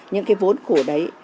những cái vốn của đấy